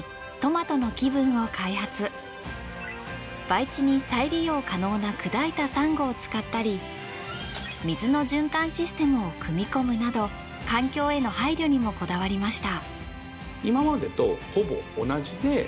培地に再利用可能な砕いたサンゴを使ったり水の循環システムを組み込むなど環境への配慮にもこだわりました。